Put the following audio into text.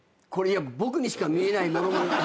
僕にしか見えないものなのか。